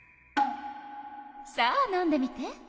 さあ飲んでみて。